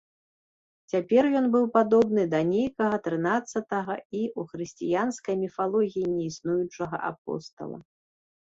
Цяпер ён быў падобны да нейкага трынаццатага і ў хрысціянскай міфалогіі неіснуючага апостала.